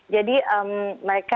jadi mereka kalau